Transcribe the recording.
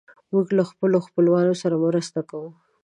موږ له خپلو خپلوانو سره مرسته کوو.